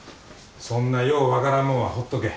そんなよう分からんもんはほっとけ。